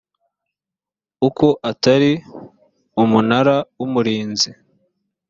uko utari umunara w umurinzi